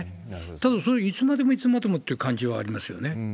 ただ、それ、いつまでもいつまでもって感じはありますよね。